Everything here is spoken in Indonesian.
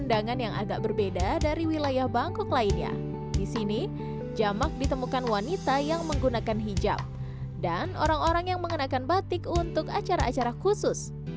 dan orang orang yang mengenakan batik untuk acara acara khusus